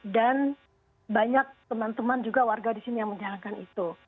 dan banyak teman teman juga warga di sini yang menjalankan itu